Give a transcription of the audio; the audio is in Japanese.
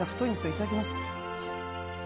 いただきます。